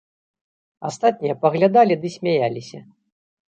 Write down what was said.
Астатнія паглядалі ды смяяліся.